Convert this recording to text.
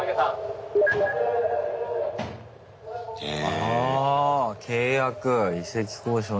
ああ契約・移籍交渉など。